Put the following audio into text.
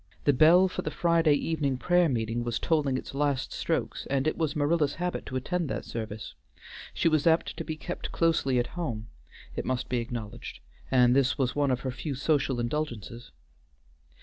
The bell for the Friday evening prayer meeting was tolling its last strokes and it was Marilla's habit to attend that service. She was apt to be kept closely at home, it must be acknowledged, and this was one of her few social indulgences.